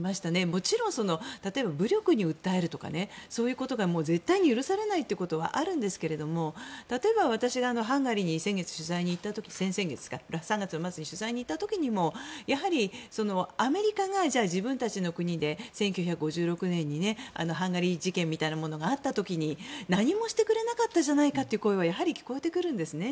もちろん、例えば武力に訴えるとかそういうことは絶対に許されないということはあるんですけど例えば私がハンガリーに３月末に取材に行った時にもやはり、アメリカが自分たちの国で１９５６年にハンガリー事件みたいなものがあった時に何もしてくれなかったじゃないかという声はやはり聞こえてくるんですね。